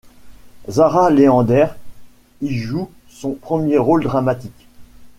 Zarah Leander y joue son premier rôle dramatique.